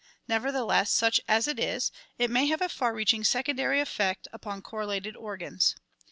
Nevertheless, such as it is, it may have a far reaching secondary effect upon correlated organs.